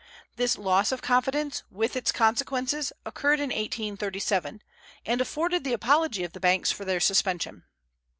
This loss of confidence, with its consequences, occurred in 1837, and afforded the apology of the banks for their suspension.